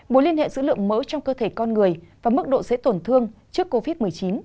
mối liên hệ dữ liệu mỡ trong cơ thể con người và mức độ dễ tổn thương trước covid một mươi chín